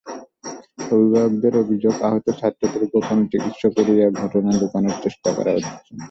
অভিভাবকদের অভিযোগ, আহত ছাত্রদের গোপনে চিকিৎসা করিয়ে ঘটনা লুকানোর চেষ্টা করা হচ্ছে।